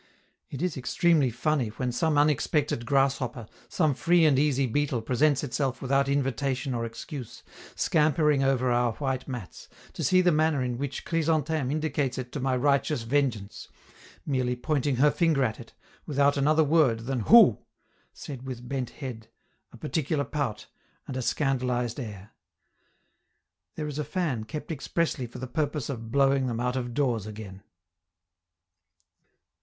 It is extremely funny, when some unexpected grasshopper, some free and easy beetle presents itself without invitation or excuse, scampering over our white mats, to see the manner in which Chrysantheme indicates it to my righteous vengeance merely pointing her finger at it, without another word than "Hou!" said with bent head, a particular pout, and a scandalised air. There is a fan kept expressly for the purpose of blowing them out of doors again.